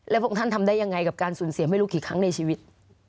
พระองค์ท่านทำได้ยังไงกับการสูญเสียไม่รู้กี่ครั้งในชีวิต